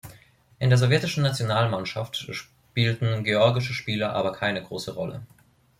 In der sowjetischen Nationalmannschaft spielten georgische Spieler aber keine große Rolle.